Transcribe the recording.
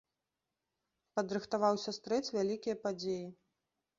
Падрыхтаваўся стрэць вялікія падзеі.